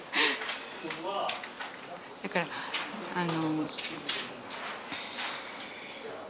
だからあの。